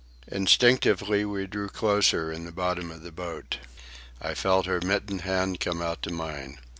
Instinctively we drew closer together in the bottom of the boat. I felt her mittened hand come out to mine.